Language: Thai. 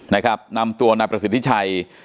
นะครับนำตัวนายประสิทธิชัย